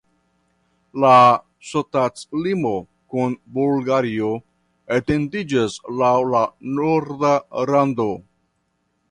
La ŝtatlimo kun Bulgario etendiĝas laŭ la norda rando.